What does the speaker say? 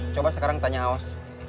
coba sekarang tanya aus